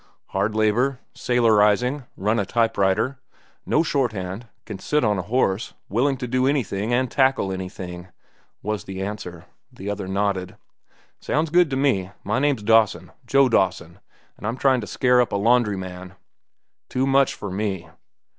"Hard labor, sailorizing, run a type writer, no shorthand, can sit on a horse, willing to do anything and tackle anything," was the answer. The other nodded. "Sounds good to me. My name's Dawson, Joe Dawson, an' I'm tryin' to scare up a laundryman." "Too much for me."